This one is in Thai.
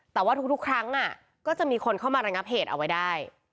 แต่ว่าทุกครั้งก็จะมีคนเข้ามาระงับเหตุเอาไว้ได้